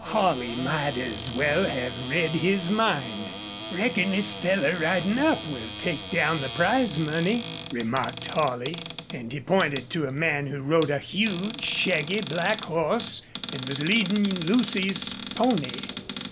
Holley might as well have read his mind. "Reckon this feller ridin' up will take down the prize money," remarked Holley, and he pointed to a man who rode a huge, shaggy, black horse and was leading Lucy's pony.